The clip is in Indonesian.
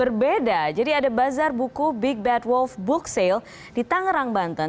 berbeda jadi ada bazar buku big bad wolf book sale di tangerang banten